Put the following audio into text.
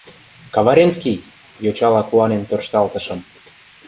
— Каваренский! — йочала куанен тӧршталтышым.